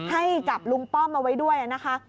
ให้กับลุงป้อมเอาไว้ด้วยนะคะ